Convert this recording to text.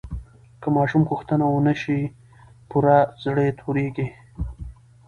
که ماشوم غوښتنه ونه شي پوره، زړه یې تورېږي.